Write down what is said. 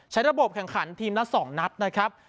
ระบบแข่งขันทีมละ๒นัดนะครับ